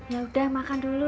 yaudah makan dulu